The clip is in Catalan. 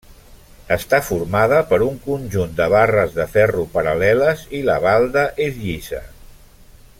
Està formada per un conjunt de barres de ferro paral·leles i la balda és llisa.